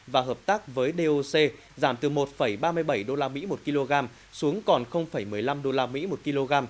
và hợp tác với doc giảm từ một ba mươi bảy usd một kg xuống còn một mươi năm usd một kg